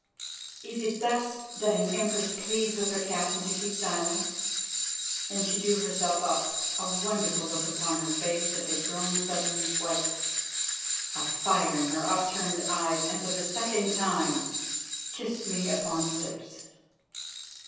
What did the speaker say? "Is it thus that an Empress pleads with her captain to keep silence?" Then she drew herself up, a wonderful look upon her face that had grown suddenly white, a fire in her upturned eyes, and for the second time kissed me upon the lips.